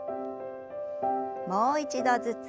もう一度ずつ。